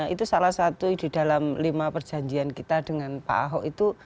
itu salah satu di dalam lima perjanjian kita dengan pak ahok itu